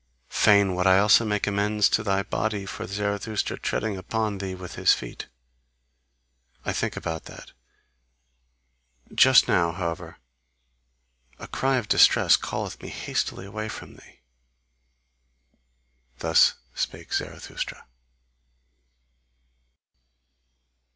Fain would I also make amends to thy body for Zarathustra treading upon thee with his feet: I think about that. Just now, however, a cry of distress calleth me hastily away from thee." Thus spake Zarathustra.